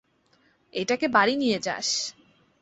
এটাকে বাড়ি নিয়ে যাস।